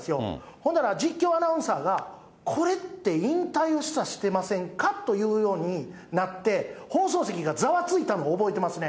ほんだら、実況アナウンサーが、これって引退を示唆してませんかというようになって、放送席がざわついたのを覚えてますね。